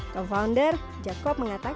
ke founder jakob mengatakan